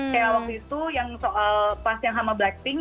kayak waktu itu yang soal pas yang sama blackpink